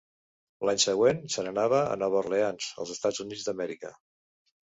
L'any següent se n'anà a Nova Orleans, als Estats Units d'Amèrica.